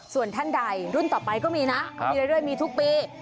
ส่วนท่านใดรุ่นต่อไปก็มีนะก็มีเรื่อยมีทุกปี